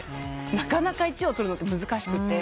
なかなか１位を取るのって難しくて。